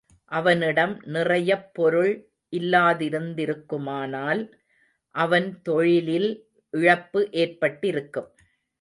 அவனிடம் நிறையப் பொருள் இல்லாதிருந் திருக்குமானால் அவன் தொழிலில் இழப்பு ஏற்பட்டிருக்கும்.